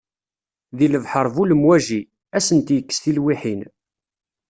Di lebḥer bu lemwaji, ad asent-yekkes tilwiḥin.